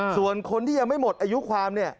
ส่วนคนที่ยังไม่หมดอายุความเนี่ย